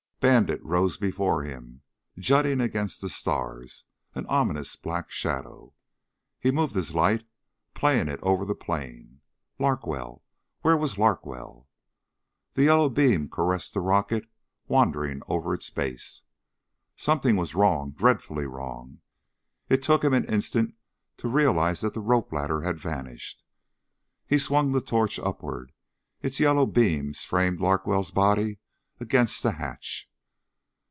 Bandit rose before him, jutting against the stars, an ominous black shadow. He moved his light, playing it over the plain. Larkwell where was Larkwell? The yellow beam caressed the rocket, wandering over its base. Something was wrong dreadfully wrong. It took him an instant to realize that the rope ladder had vanished. He swung the torch upward. Its yellow beams framed Larkwell's body against the hatch.